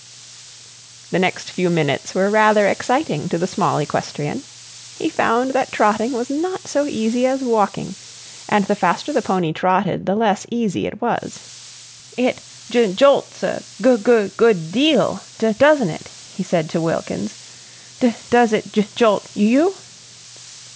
The next few minutes were rather exciting to the small equestrian. He found that trotting was not so easy as walking, and the faster the pony trotted, the less easy it was. "It j jolts a g goo good deal do doesn't it?" he said to Wilkins. "D does it j jolt y you?"